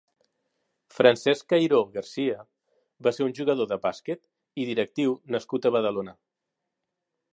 Francesc Cairó García va ser un jugador de bàsquet i directiu nascut a Badalona.